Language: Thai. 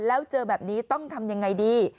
แล้วเจอแบบนี้ต้องทำยังไงดี